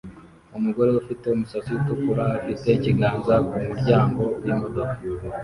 Umugore ufite umusatsi utukura afite ikiganza ku muryango w imodoka